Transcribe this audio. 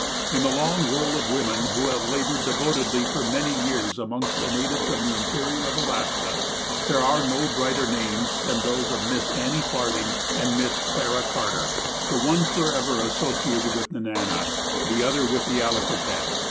In the long roll of women who have labored devotedly for many years amongst the natives of the interior of Alaska, there are no brighter names than those of Miss Annie Farthing and Miss Clara Carter, the one forever associated with Nenana, the other with the Allakaket.